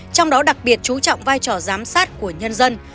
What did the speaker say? trong đó đặc biệt chú trọng vai trò giám sát của nhân dân